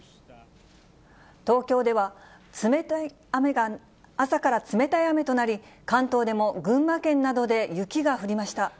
東京では、朝から冷たい雨となり、関東でも群馬県などで雪が降りました。